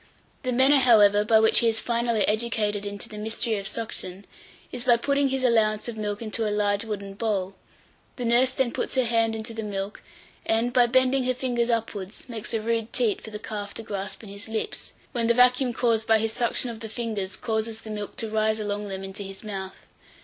The manner, however, by which he is finally educated into the mystery of suction, is by putting his allowance of milk into a large wooden bowl; the nurse then puts her hand into the milk, and, by bending her fingers upwards, makes a rude teat for the calf to grasp in his lips, when the vacuum caused by his suction of the fingers, causes the milk to rise along them into his mouth.